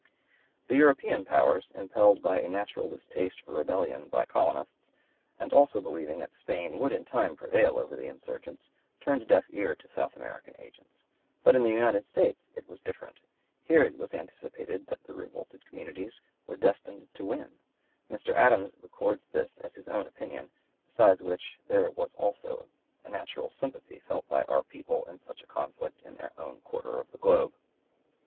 The European powers, impelled by a natural distaste for rebellion by colonists, and also believing that Spain would in time prevail over the insurgents, turned a deaf ear to South American agents. But in the United States it was different. Here it was anticipated that the (p. 109) revolted communities were destined to win; Mr. Adams records this as his own opinion; besides which there was also a natural sympathy felt by our people in such a conflict in their own quarter of the globe.